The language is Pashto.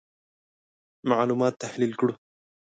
معلومات تحلیل کړو.